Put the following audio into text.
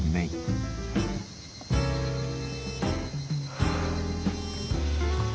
はあ。